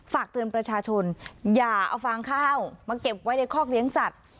ฝากเตือนประชาชนอย่าเอาฟางข้าวมาเก็บไว้ในคอกเลี้ยงสัตว์